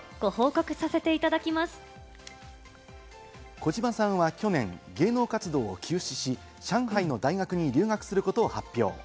小島さんは去年、芸能活動を休止し、上海の大学に留学することを発表。